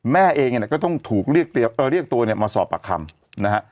แม่เองเนี่ยก็ต้องถูกเรียกตัวเนี่ยมาสอบปากคำนะฮะ